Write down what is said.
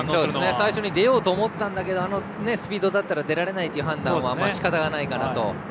最初に出ようと思ったんだけどあのスピードだったら出られないという判断は仕方がないかなと。